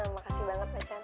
makasih banget macan